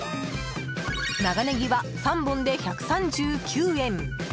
長ネギは３本で１３９円。